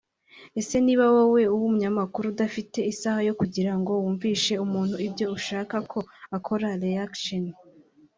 Ese niba wowe w’umunyamakuru udafite isaha yo kugira ngo wumvishe umuntu ibyo ushaka ko akoraho “réaction”